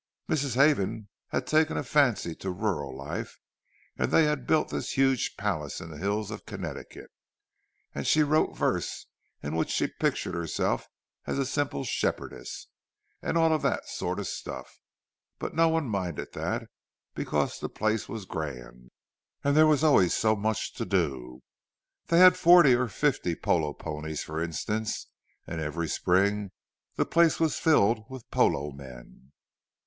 Mrs. Havens had taken a fancy to a rural life, and they had built this huge palace in the hills of Connecticut, and she wrote verses in which she pictured herself as a simple shepherdess—and all that sort of stuff. But no one minded that, because the place was grand, and there was always so much to do. They had forty or fifty polo ponies, for instance, and every spring the place was filled with polo men.